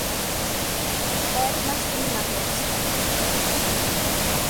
কয়েক মাস তিনি লাহোরে ছিলেন।